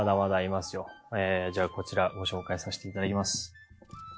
じゃあこちらご紹介させていただきます。